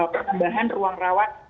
penambahan ruang rawat